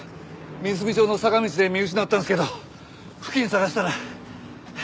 三澄町の坂道で見失ったんですけど付近を捜したら。